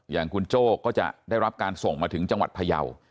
อย่างคุณโจ้ก็จะได้รับการส่งมาถึงจังหวัดพยาว